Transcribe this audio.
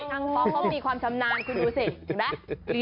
ช่างป๊อกเขามีความชำนาญคุณดูสิ